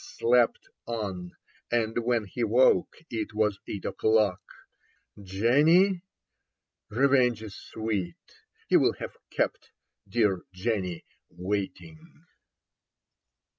Slept on ; and when he woke it was eight o'clock. Jenny ? Revenge is sweet ; he will have kept Dear Jenny waiting.